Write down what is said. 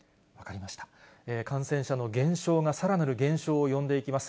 感染者の減少がさらなる減少を呼んでいきます。